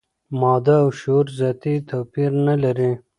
ماده او شعور ذاتي توپیر نه لري.